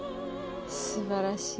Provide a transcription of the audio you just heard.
すばらしい。